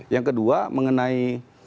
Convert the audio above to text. yang kedua mengenai